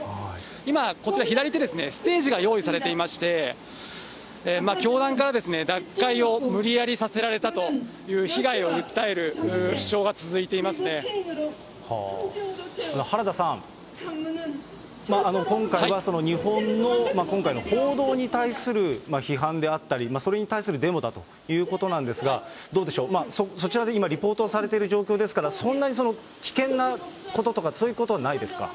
今、こちら左手、ステージが用意されていまして、教団から脱会を無理やりさせられたという被害を訴える主張が続い原田さん、今回はその、日本の、今回の報道に対する批判であったり、それに対するデモだということなんですが、どうでしょう、そちらで今リポートされてる状況ですから、そんなに危険なこととか、そういうことはないですか？